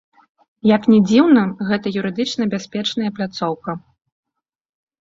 Як не дзіўна, гэта юрыдычна бяспечная пляцоўка.